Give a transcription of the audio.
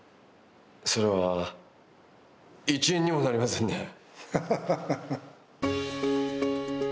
それは一円にもなりませんね。